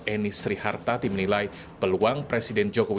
eni srihartati menilai peluang presiden jokowi